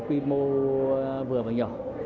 quy mô vừa và nhỏ